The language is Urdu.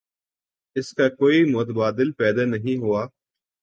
اس کا کوئی متبادل پیدا نہیں ہوا۔